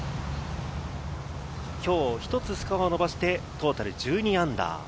今日一つスコアを伸ばしてトータル−１２。